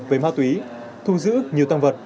với ma tuế thu giữ nhiều tăng vật